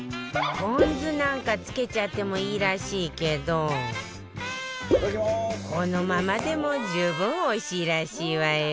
ポン酢なんか付けちゃってもいいらしいけどこのままでも十分おいしいらしいわよ